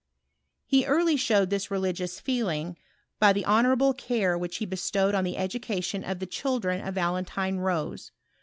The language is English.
He early showed this religious feeling by the honourable care which he bestowed on the education of the children of Valentine Rose.